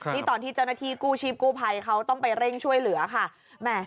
นี่ตอนที่เจ้าหน้าที่กู้ชีพกู้ภัยเขาต้องไปเร่งช่วยเหลือค่ะ